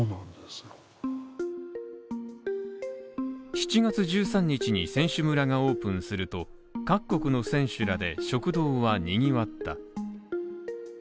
７月１３日に選手村がオープンすると、各国の選手らで食堂は賑わった。